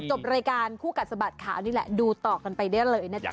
จบรายการคู่กัดสะบัดข่าวนี่แหละดูต่อกันไปได้เลยนะจ๊